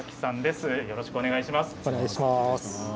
よろしくお願いします。